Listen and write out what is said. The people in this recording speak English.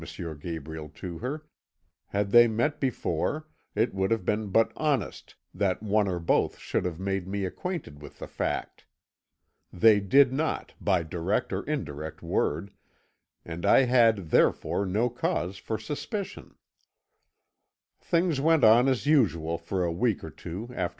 Gabriel to her; had they met before, it would have been but honest that one or both should have made me acquainted with the fact. They did not, by direct or indirect word, and I had, therefore, no cause for suspicion. "Things went on as usual for a week or two after M.